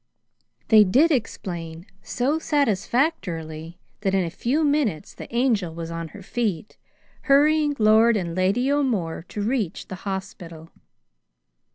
They did explain so satisfactorily that in a few minutes the Angel was on her feet, hurrying Lord and Lady O'More to reach the hospital.